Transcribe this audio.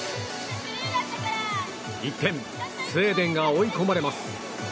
一転、スウェーデンが追い込まれます。